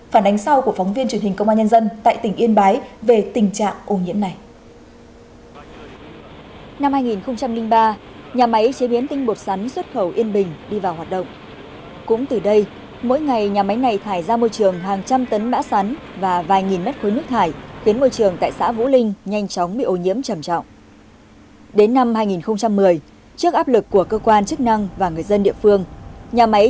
phản ánh sau của phóng viên truyền hình công an nhân dân tại tỉnh yên bái về tình trạng ô nhiễm này